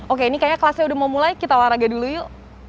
oke ini kayaknya kelasnya udah mau mulai kita olahraga dulu yuk